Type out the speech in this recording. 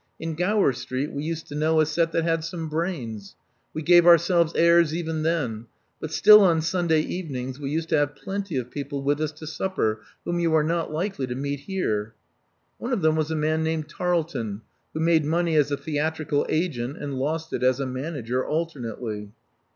In Gower Street we used to know a set that had some brains. We gave ourselves airs even then; but still on Sunday evenings we used to have plenty of people with us to supper whom you are not likely to meet here. One of them was a man named Tarleton, who made money as a theatrical agent and lost it as a manager alternately."